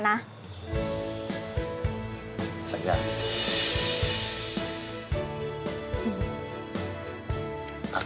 ไปไป